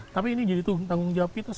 tapi ini jadi tuh tanggung jawab kita